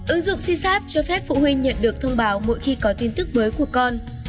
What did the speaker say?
ứng dụng sysapp cho phép phụ huynh nhận được thông báo mỗi khi có tin tức mới của con